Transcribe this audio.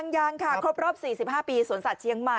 ยังค่ะครบรอบ๔๕ปีสวนสัตว์เชียงใหม่